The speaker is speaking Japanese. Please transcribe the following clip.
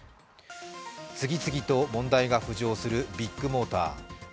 次々と問題が浮上するビッグモーター。